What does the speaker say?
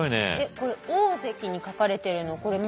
これ大関に書かれてるのこれ発疹？